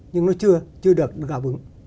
nhưng nó chưa chưa được gạp ứng